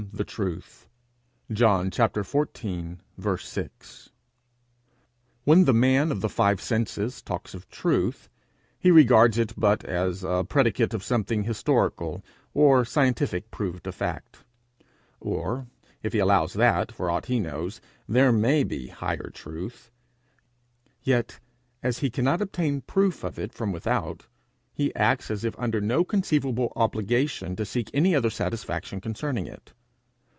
THE TRUTH. I am the truth. John xiv. 6 When the man of the five senses talks of truth, he regards it but as a predicate of something historical or scientific proved a fact; or, if he allows that, for aught he knows, there may be higher truth, yet, as he cannot obtain proof of it from without, he acts as if under no conceivable obligation to seek any other satisfaction concerning it.